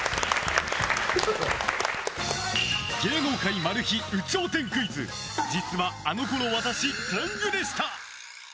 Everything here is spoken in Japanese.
芸能界マル秘有頂天クイズ実はあの頃わたし天狗でした。